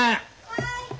・はい！